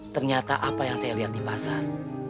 ternyata apa yang saya lihat di pasar